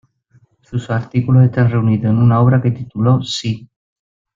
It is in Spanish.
Sus artículos están reunidos en una obra que tituló “Sí.